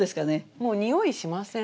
もう匂いしません？